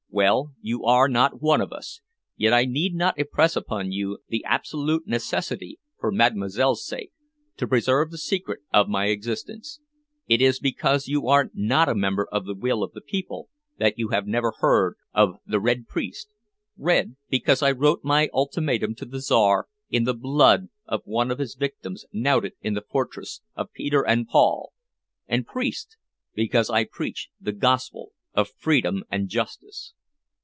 "Well, you are not one of us, yet I need not impress upon you the absolute necessity, for Mademoiselle's sake, to preserve the secret of my existence. It is because you are not a member of 'The Will of the People,' that you have never heard of 'The Red Priest' red because I wrote my ultimatum to the Czar in the blood of one of his victims knouted in the fortress of Peter and Paul, and priest because I preach the gospel of freedom and justice."